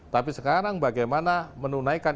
tapi sekarang bagaimana menunaikan